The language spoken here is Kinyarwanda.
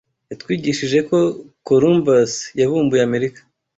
Yatwigishije ko Columbus yavumbuye Amerika.